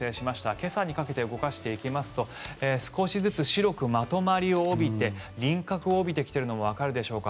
今朝にかけて動かしていきますと少しずつ白くまとまりを帯びて輪郭を帯びてきているのがわかるでしょうか。